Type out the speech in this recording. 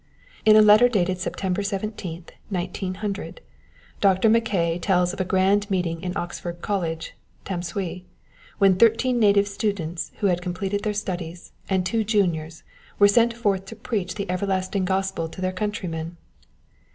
In a letter dated September 17th, 1900, Dr. Mackay tells of a grand meeting in Oxford College, Tamsui, when thirteen native students, who had completed their studies, and two juniors, were sent forth to preach the everlasting Gospel to their countrymen.